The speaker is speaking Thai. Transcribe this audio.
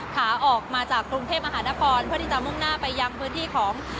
ขาออกมาจากกรุงเทพมหานครเพื่อที่จะมุ่งหน้าไปยังพื้นที่ของ